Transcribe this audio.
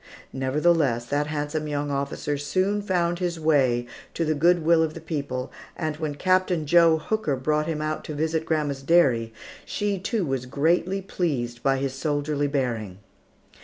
Nevertheless, that handsome young officer soon found his way to the good will of the people, and when Captain Joe Hooker brought him out to visit grandma's dairy, she, too, was greatly pleased by his soldierly bearing.